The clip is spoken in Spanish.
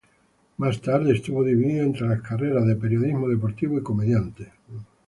Más tarde estuvo dividido entre las carreras de periodismo deportivo y comediante.